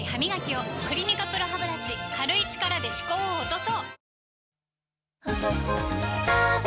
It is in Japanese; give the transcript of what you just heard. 「クリニカＰＲＯハブラシ」軽い力で歯垢を落とそう！